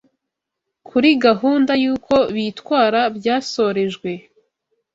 kuri gahunda y’uko bitwara byasorejwe.